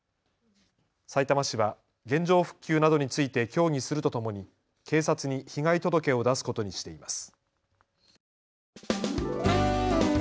さいたま市は原状復旧などについて協議するとともに警察に被害届を出すことにしています。